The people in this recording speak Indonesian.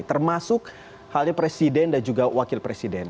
termasuk halnya presiden dan juga wakil presiden